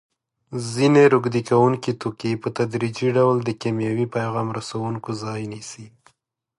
ځینې روږدې کوونکي توکي په تدریجي ډول د کیمیاوي پیغام رسوونکو ځای نیسي.